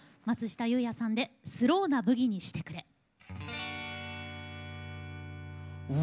松下優也さんで「スローなブギにしてくれ」。